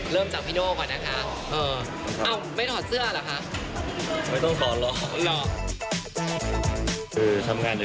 พี่แจ๊กลิ้นก็ดีเหมือนกันนะก็อยากเป็นนักข่าวแล้ว